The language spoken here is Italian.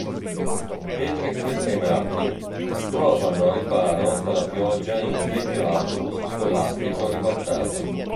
Patrick e Martin trovano riparo dalla pioggia in un vecchio autobus scolastico ribaltato.